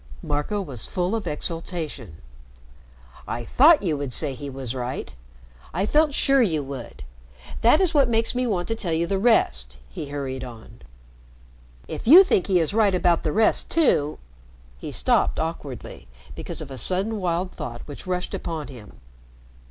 Marco was full of exultation. "I thought you would say he was right. I felt sure you would. That is what makes me want to tell you the rest," he hurried on. "If you think he is right about the rest too " He stopped awkwardly because of a sudden wild thought which rushed upon him.